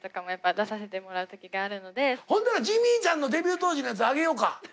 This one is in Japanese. ほんならジミーちゃんのデビュー当時のやつあげようか？